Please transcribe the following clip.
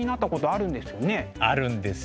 あるんですよ。